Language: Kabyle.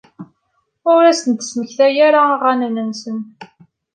Ur asen-d-smektayeɣ aɣanen-nsen.